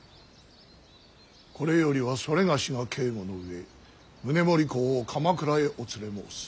これよりは某が警固の上宗盛公を鎌倉へお連れ申す。